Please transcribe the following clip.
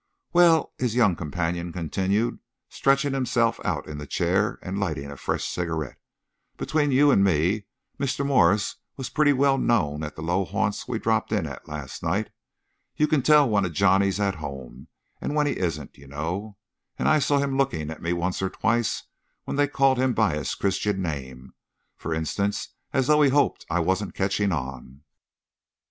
"Well," his young companion continued, stretching himself out in the chair and lighting a fresh cigarette, "between you and me, Mr. Morse was pretty well known at the low haunts we dropped in at last night. You can tell when a Johnny's at home and when he isn't, you know, and I saw him looking at me once or twice when they called him by his Christian name, for instance, as though he hoped I wasn't catching on."